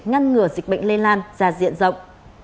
ngăn ngừa dịch bệnh lây lan gia diện rộng